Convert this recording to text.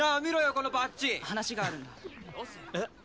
このバッジ話があるんだ・よせよえっ？